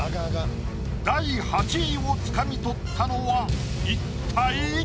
第８位をつかみ取ったのは一体？